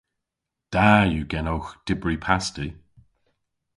Da yw genowgh dybri pasti.